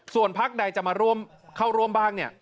ส่วนพลักษณ์ใดจะมาเข้าร่วมบ้าง